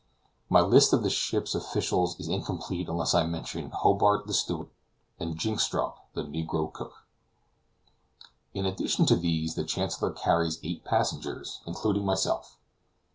My list of the ship's officials is incomplete unless I mention Hobart the steward and Jynxstrop the negro cook. In addition to these, the Chancellor carries eight passengers, including myself.